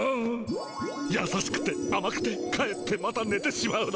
やさしくてあまくてかえってまたねてしまうのだ。